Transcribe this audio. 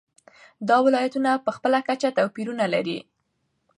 دا ولایتونه په خپله کچه توپیرونه لري.